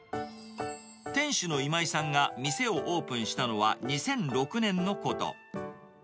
店主の今井さんが店をオープンしたのは２００６年のこと。